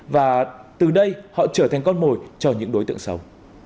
và từ đây họ trở thành con mồi cho những đối tượng xấu